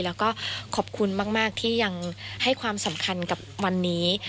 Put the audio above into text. แล้วก็ขอบคุณมากที่ยังให้ความสำคัญกับวันนี้